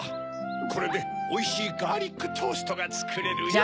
これでおいしいガーリックトーストがつくれるよ。